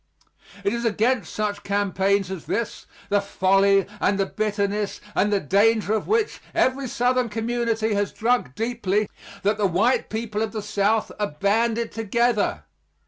It is against such campaigns as this the folly and the bitterness and the danger of which every Southern community has drunk deeply that the white people of the South are banded together.